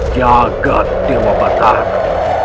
jaga dewa batara